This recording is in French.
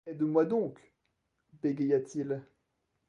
Aide-moi donc, bégaya-t-il.